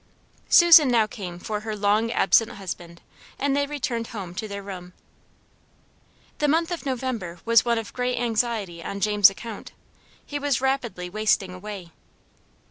Susan now came for her long absent husband, and they returned home to their room. The month of November was one of great anxiety on James's account. He was rapidly wasting away.